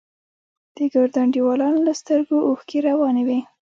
د ګردو انډيوالانو له سترگو اوښکې روانې وې.